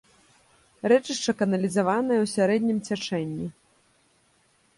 Рэчышча каналізаванае ў сярэднім цячэнні.